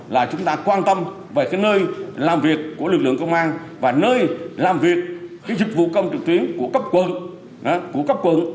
là chúng ta quan tâm về cái nơi làm việc của lực lượng công an và nơi làm việc cái dịch vụ công trực tuyến của cấp quận